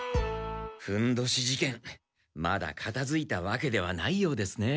ふんどし事件まだかたづいたわけではないようですね。